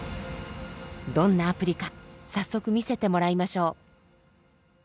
どんなアプリか早速見せてもらいましょう。